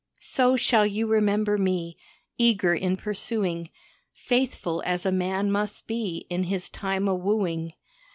So shall you remember me, eager in pursuing, Faithful as a man must be in his time o' wooing.